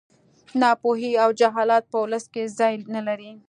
ناپوهي او جهالت په ولس کې ځای نه لري